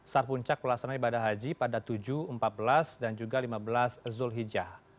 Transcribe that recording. sarpuncak pelaksanaan ibadah haji pada tujuh empat belas dan juga lima belas zul hijah